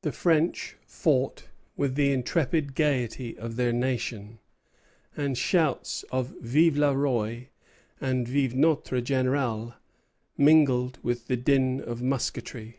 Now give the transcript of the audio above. The French fought with the intrepid gayety of their nation, and shouts of Vive le Roi! and Vive notre Général! mingled with the din of musketry.